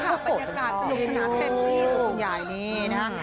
ประนักการณ์สนุกขนาดเต้นที่คุณยายนี่นะ